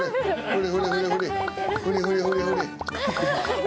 これ。